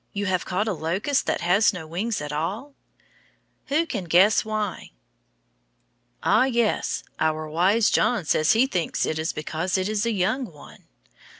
You have caught a locust that has no wings at all? Who can guess why? Ah, yes, our wise John says he thinks it is because it is a young one.